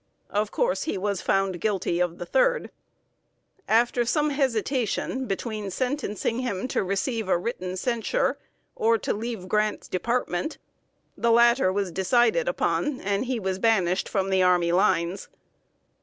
Of course, he was found guilty of the third. After some hesitation between sentencing him to receive a written censure, or to leave Grant's department, the latter was decided upon, and he was banished from the army lines.